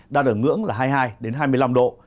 đạt ở ngưỡng là hai mươi hai hai mươi năm độ